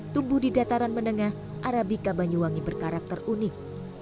tumbuh di dataran menengah arabika banyuwangi berkarakter unik